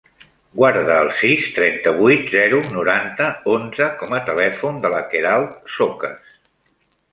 Guarda el sis, trenta-vuit, zero, noranta, onze com a telèfon de la Queralt Socas.